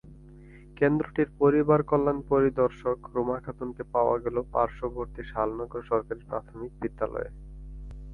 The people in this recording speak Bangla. কেন্দ্রটির পরিবারকল্যাণ পরিদর্শক রুমা খাতুনকে পাওয়া গেল পার্শ্ববর্তী শালনগর সরকারি প্রাথমিক বিদ্যালয়ে।